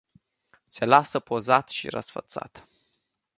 Se lasă pozat și răsfățat.